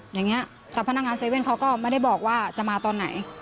อย่างนี้แต่พนักงาน๗๑๑เขาก็ไม่ได้บอกว่าจะมาตอนไหน